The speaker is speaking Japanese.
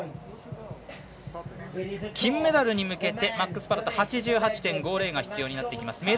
金メダルに向けてマックス・パロット８５．５０が必要になってきます。